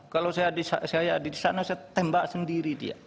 kalau saya di sana saya tembak sendiri dia